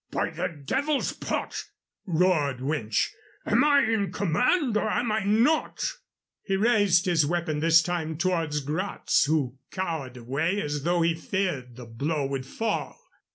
"By the Devil's Pot!" roared Winch, "am I in command, or am I not?" He raised his weapon this time towards Gratz, who cowered away as though he feared the blow would fall.